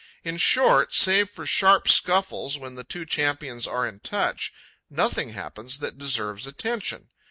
In short, save for sharp scuffles when the two champions are in touch, nothing happens that deserves attention.